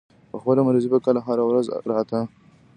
پۀ خپله مرضۍ به کله هره ورځ راتۀ